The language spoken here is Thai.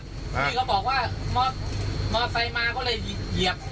พี่เขาบอกว่ามอเตอร์ไซค์มาก็เลยเหยียบ